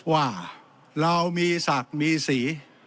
ว่าเรามีศักดิ์มีสี